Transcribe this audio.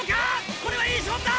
これはいい勝負だ！